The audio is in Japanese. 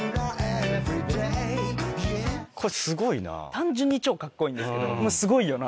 単純に超カッコいいんですけどすごいよな？